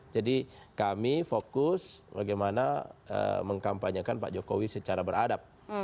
jadi kami fokus bagaimana mengkampanyekan pak jokowi secara beradab